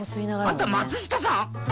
あんた松下さん？